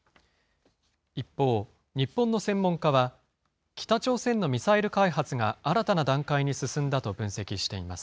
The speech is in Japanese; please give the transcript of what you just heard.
一方、日本の専門家は、北朝鮮のミサイル開発が新たな段階に進んだと分析しています。